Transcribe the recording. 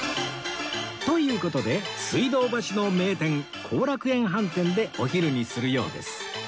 という事で水道橋の名店後楽園飯店でお昼にするようです